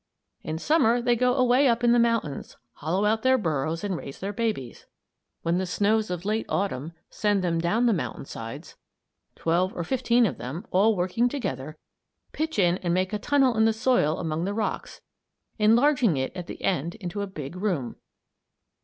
In Summer they go away up in the mountains, hollow out their burrows and raise their babies. When the snows of late Autumn send them down the mountainsides, twelve or fifteen of them, all working together, pitch in and make a tunnel in the soil among the rocks, enlarging it at the end into a big room.